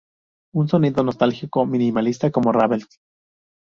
Un sonido nostálgico, minimalista, como Ravel.